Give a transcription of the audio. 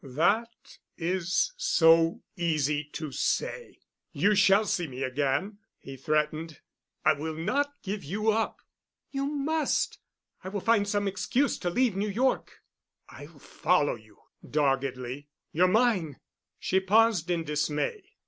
"That is so easy to say. You shall see me again," he threatened. "I will not give you up." "You must! I will find some excuse to leave New York." "I'll follow you," doggedly. "You're mine." She paused in dismay.